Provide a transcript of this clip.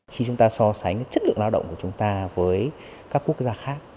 khi chúng ta so sánh chất lượng lao động của chúng ta với các quốc gia khác